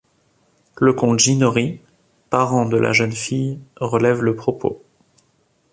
Le comte Ginori, parent de la jeune fille, relève le propos.